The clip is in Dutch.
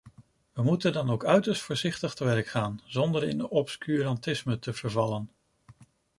We moeten dan ook uiterst voorzichtig te werk gaan, zonder in obscurantisme te vervallen.